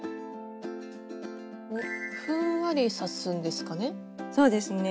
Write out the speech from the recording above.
ふんわり刺すんですかね？